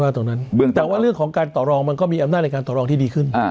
แต่ว่าเรื่องของการต่อรองมันก็มีอำนาจในการต่อรองที่ดีขึ้น